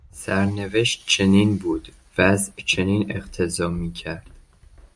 سرنوشت چنین بود، وضع چنین اقتضا میکرد.